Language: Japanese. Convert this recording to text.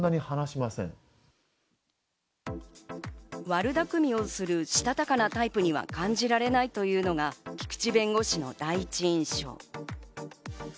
悪巧みをするしたたかなタイプには感じられないというのが菊地弁護士の第１印象。